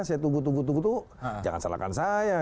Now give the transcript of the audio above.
saya tunggu tunggu tuh jangan salahkan saya